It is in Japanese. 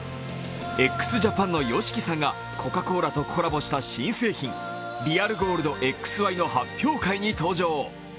ＸＪＡＰＡＮのＹＯＳＨＩＫＩさんがコカ・コーラとコラボした新製品、ＲｅａｌＧｏｌｄＸ／Ｙの発表会に登場。